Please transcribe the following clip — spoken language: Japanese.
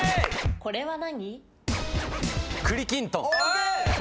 これは何？